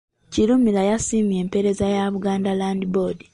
Kirumira yasiimye empeereza ya Buganda Land Board.